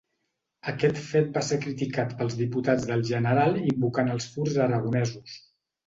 Aquest fet va ser criticat pels diputats del general invocant als furs aragonesos.